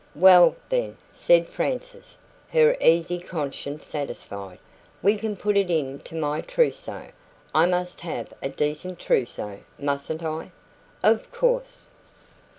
"Well, then," said Frances, her easy conscience satisfied, "we can put it into my trousseau. I MUST have a decent trousseau mustn't I?" "Of course!"